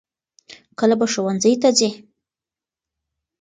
کله به ته ښوونځي ته ځې؟